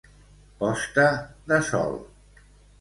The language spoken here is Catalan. Posta de sol.